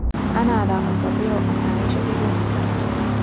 أنا لا أستطيع أن أعيش بدونك.